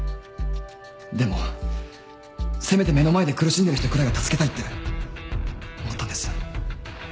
でもせめて目の前で苦しんでる人くらいは助けたいって思ったんです。